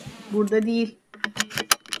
Burada değil.